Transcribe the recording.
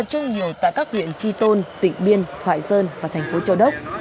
tập trung nhiều tại các huyện chi tôn tỉnh biên thoại sơn và thành phố châu đốc